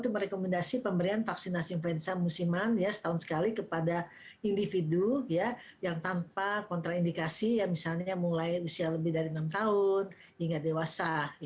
merekomendasi pemberian vaksinasi influenza musiman setahun sekali kepada individu yang tanpa kontraindikasi ya misalnya mulai usia lebih dari enam tahun hingga dewasa